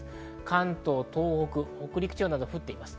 関東、東北、北陸地方など降っています。